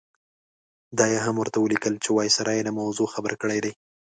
دا یې هم ورته ولیکل چې وایسرا یې له موضوع خبر کړی دی.